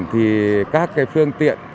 thì các cái phương tiện